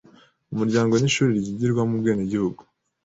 Umuryango ni ishuri ryigirwamo ubwenegihugu